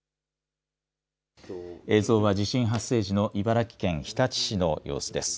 映像は地震発生時の茨城県日立市の様子です。